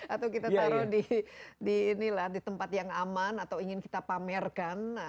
atau kita taruh di ini lah di tempat yang aman atau ingin kita pamerkan